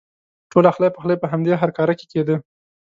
ټول اخلی پخلی په همدې هرکاره کې کېده.